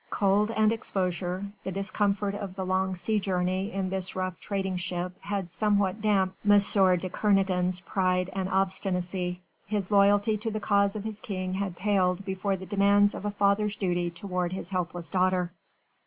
Cold and exposure the discomfort of the long sea journey in this rough trading ship had somewhat damped M. de Kernogan's pride and obstinacy: his loyalty to the cause of his King had paled before the demands of a father's duty toward his helpless daughter.